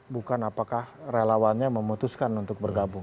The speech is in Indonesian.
bukan apakah relawannya memutuskan untuk bergabung